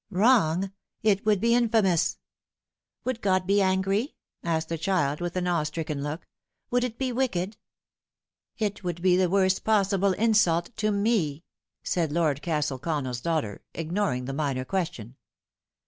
" Wrong ! It would be infamous." "Would God be angry?" asked the child, with an awe stricken look. " Would it be wicked ?"" It would be the worst possible insult to me" said Lord Castle Council's daughter, ignoring the minor question.